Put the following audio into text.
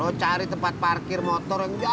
tahu cari tempat parkir motor yang jauh